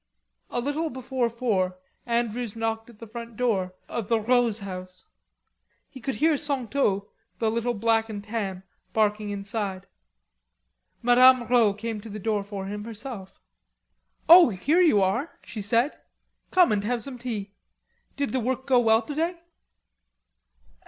A little before four Andrews knocked at the front door of the Rods' house. He could hear Santo, the little black and tan, barking inside. Madame Rod opened the door for him herself. "Oh, here you are," she said. "Come and have some tea. Did the work go well to day?"